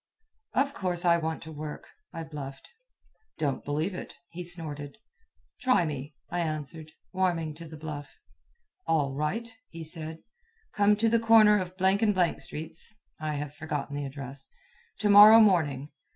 "Of course I want work," I bluffed. "Don't believe it," he snorted. "Try me," I answered, warming to the bluff. "All right," he said. "Come to the corner of blank and blank streets" (I have forgotten the address) "to morrow morning.